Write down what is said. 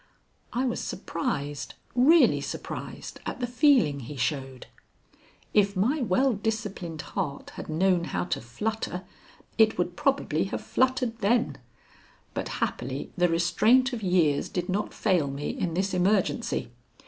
I was surprised really surprised at the feeling he showed. If my well disciplined heart had known how to flutter it would probably have fluttered then, but happily the restraint of years did not fail me in this emergency.